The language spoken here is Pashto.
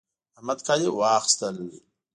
احمد کالي واخيستل